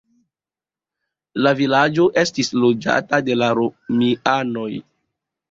La vilaĝo estis loĝata de la romianoj.